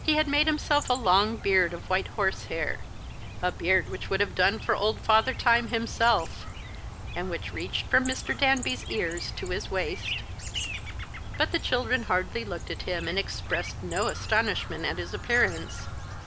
He had made himself a long beard of white horsehair — a beard which would have done for old Father Time himself — and which reached from Mr. Danby's ears to his waist. But the children hardly looked at him and expressed no astonishment at his appearance.